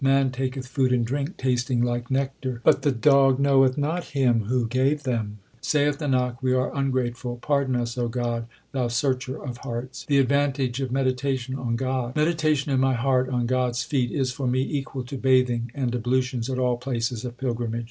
Man taketh food and drink tasting like nectar ; But the dog knoweth not Him who gave them. Saith Nanak, we are ungrateful ; Pardon us, O God, Thou Searcher of hearts. The advantage of meditation on God : Meditation in my heart on God s feet Is for me equal to bathing and ablutions at all places of pilgrimage.